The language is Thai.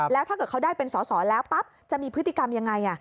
แล้วถ้าเกิดเขาได้เป็นสอสอแล้วปั๊บจะมีพฤติกรรมยังไง